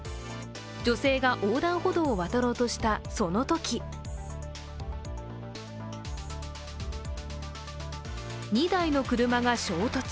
女性が横断歩道を渡ろうとしたそのとき２台の車が衝突。